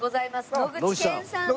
野口健さんです。